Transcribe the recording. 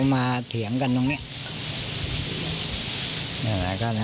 มาเถียงกันตรงเนี้ย